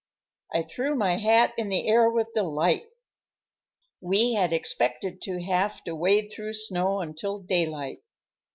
I threw my hat in the air with delight. We had expected to have to wade through snow until daylight.